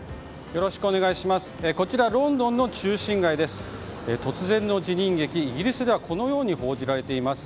よろしくお願いします。